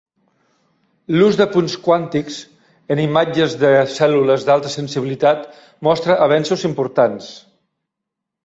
L'ús de punts quàntics en imatges de cèl·lules d'alta sensibilitat mostra avenços importants.